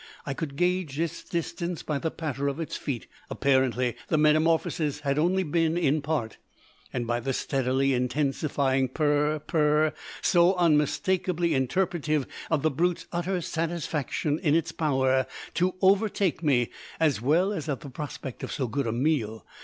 I could gauge its distance by the patter of its feet apparently the metamorphosis had only been in part and by the steadily intensifying purr, purr; so unmistakably interpretative of the brute's utter satisfaction in its power to overtake me, as well as at the prospect of so good a meal.